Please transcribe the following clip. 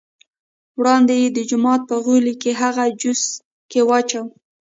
وړاندې یې د جومات په غولي کې هغه جوسه کې واچوه.